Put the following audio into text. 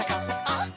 「あっ！